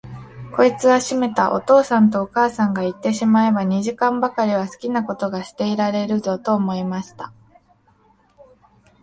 こいつはしめた、お父さんとお母さんがいってしまえば、二時間ばかりは好きなことがしていられるぞ、と思いました。